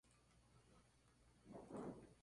Existen además dos casas rurales.